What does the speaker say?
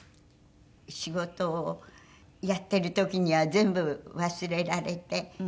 仕事をやってる時には全部忘れられて。